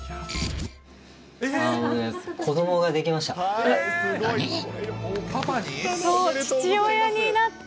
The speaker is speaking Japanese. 子どもができました。